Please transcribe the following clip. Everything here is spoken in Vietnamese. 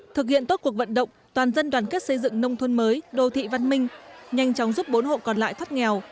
thực hiện tốt cuộc vận động toàn dân đoàn kết xây dựng nông thôn mới đô thị văn minh nhanh chóng giúp bốn hộ còn lại thoát nghèo